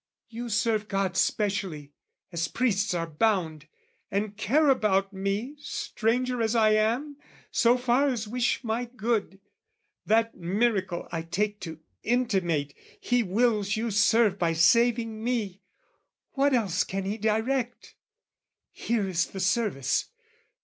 "You serve God specially, as priests are bound, "And care about me, stranger as I am, "So far as wish my good, that miracle "I take to intimate He wills you serve "By saving me, what else can He direct? "Here is the service.